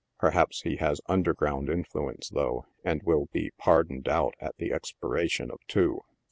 Perhaps he has underground influence, though, and will be '; pardoned out" at the expiration of two.